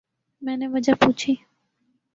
میں نے وجہ پوچھی۔